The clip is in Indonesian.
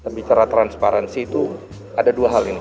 bicara transparansi itu ada dua hal ini